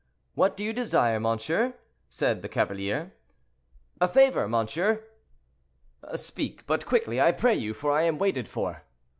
"What do you desire, monsieur?" said the cavalier. "A favor, monsieur." "Speak; but quickly, I pray you, for I am waited for."